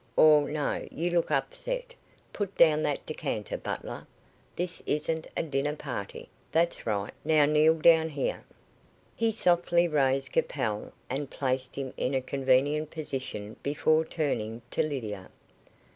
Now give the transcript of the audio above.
Or, no; you look upset. Put down that decanter, butler! This isn't a dinner party. That's right. Now kneel down here." He softly raised Capel, and placed him in a convenient position before turning to Lydia.